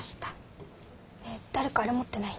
ねえ誰かアレ持ってない？